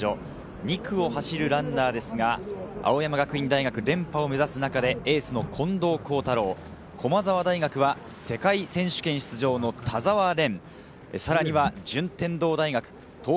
２区を走るランナーですが、青山学院大学、連覇を目指す中で、エースの近藤幸太郎、駒澤大学、世界選手権出場の田澤廉。